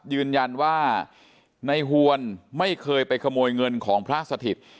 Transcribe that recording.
ยืนยันว่าในหวนไม่เคยไปขโมยเงินของพระสถิต